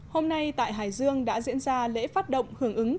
hôm nay tại hải dương đã diễn ra lễ phát động hưởng ứng